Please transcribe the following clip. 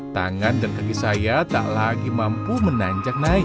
tangan dan kaki saya tak lagi mampu menanjak naik